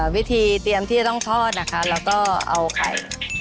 วิธีเตรียมที่จะต้องทอดนะคะแล้วก็เอาไข่